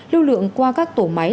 lưu lượng qua các tổ máy